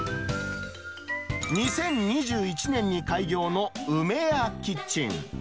２０２１年に開業のウメヤキッチン。